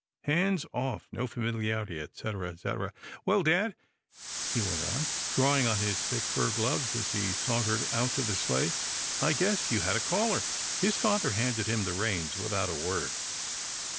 Hands off — no familiarity, etc., etc. — Well dad," he went on, drawing on his thick fur gloves as he sauntered out to the sleigh, I guess you had a caller." His father handed him the reins without a word.